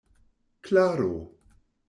Klaro!